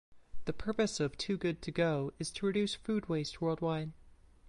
The purpose of Too Good To Go is to reduce food waste worldwide.